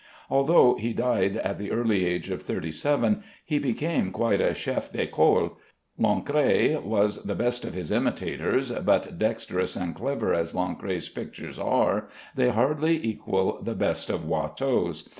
Although he died at the early age of thirty seven he became quite a chef d'école. Lancret was the best of his imitators, but dexterous and clever as Lancret's pictures are, they hardly equal the best of Watteau's.